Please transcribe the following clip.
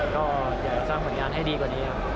ก็อยากสร้างผลงานให้ดีกว่านี้ครับ